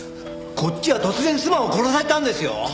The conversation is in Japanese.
こっちは突然妻を殺されたんですよ！？